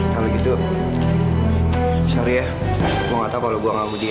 kalau gitu sorry ya gue nggak tau kalau gue ganggu dia